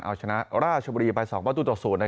เอาชนะราชบุรีไป๒๐